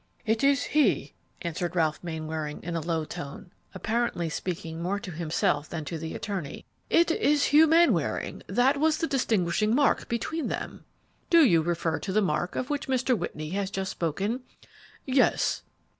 "It is he," answered Ralph Mainwaring in a low tone, apparently speaking more to himself than to the attorney; "it is Hugh Mainwaring; that was the distinguishing mark between them." "Do you refer to the mark of which Mr. Whitney has just spoken?" "Yes."